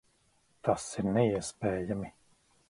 Tas ir neiespējami!